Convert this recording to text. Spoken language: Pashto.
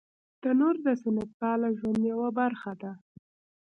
تنور د سنت پاله ژوند یوه برخه ده